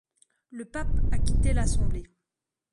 Le pape a quitté l'assemblée.